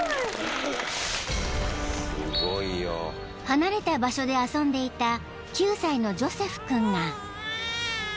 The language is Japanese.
［離れた場所で遊んでいた９歳のジョセフ君が］